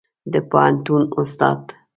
د پوهنتون استاد